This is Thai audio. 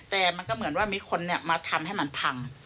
แต่มันก็เหมือนว่ามีคนมาทำให้มันพัง